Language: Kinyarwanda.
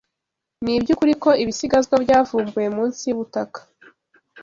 Ni iby’ukuri ko ibisigazwa byavumbuwe munsi y’ubutaka